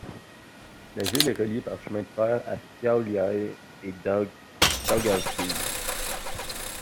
La ville est reliée par chemin de fer à Šiauliai et Daugavpils.